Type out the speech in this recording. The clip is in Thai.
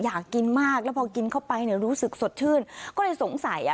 อยากกินมากแล้วพอกินเข้าไปเนี่ยรู้สึกสดชื่นก็เลยสงสัยอ่ะ